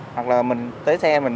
hoặc là mình tới xe